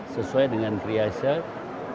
sesuai dengan kreasi terima